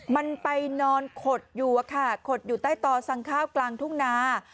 มันไปนอนขดอยู่อะค่ะขดอยู่ใต้ต่อสั่งข้าวกลางทุ่งนา